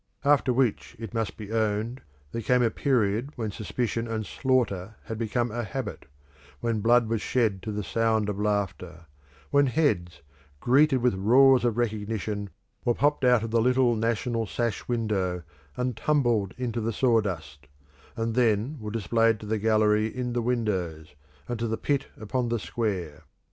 After which, it must be owned, there came a period when suspicion and slaughter had become a habit; when blood was shed to the sound of laughter; when heads, greeted with roars of recognition, were popped out of the little national sash window, and tumbled into the sawdust, and then were displayed to the gallery in the windows, and to the pit upon the square.